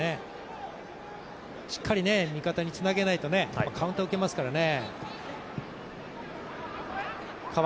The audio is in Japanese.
しっかりと味方につなげないとカウンターを受けますからね。